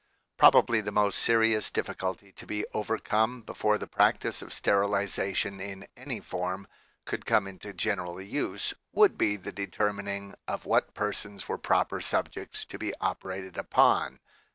109 Probably the most serious difficulty to be overcome before the practice of sterilization in any form could come into general use would be the determining of what persons were proper subjects to be operated upon.